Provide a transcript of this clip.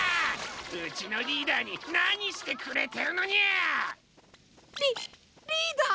うちのリーダーになにしてくれてるのニャ！？リリーダー？